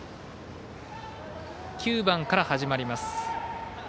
９番から始まります。